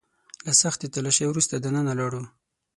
له سختې تلاشۍ وروسته دننه لاړو.